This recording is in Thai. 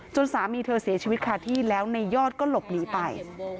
สามีเธอเสียชีวิตคาที่แล้วในยอดก็หลบหนีไป